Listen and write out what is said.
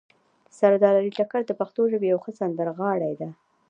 سردار علي ټکر د پښتو ژبې یو ښه سندرغاړی ده